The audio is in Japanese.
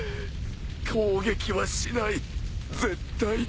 攻撃はしない絶対に。